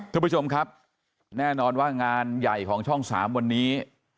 คุณผู้ชมครับแน่นอนว่างานใหญ่ของช่อง๓วันนี้